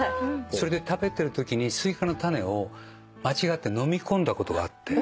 それで食べてるときにスイカの種を間違ってのみ込んだことがあって。